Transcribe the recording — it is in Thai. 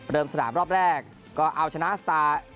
สนามรอบแรกก็เอาชนะสตาร์